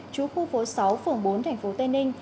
trú khu phố sáu phường bốn tỉnh tây ninh